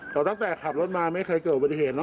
แต่ตั้งแต่ขับรถมาไม่เคยเกิดบันเทศนะ